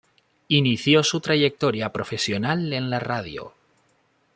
Inició su trayectoria profesional en la radio.